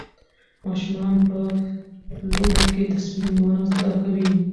ماشومان په لوبو کې تصمیم نیونه زده کوي.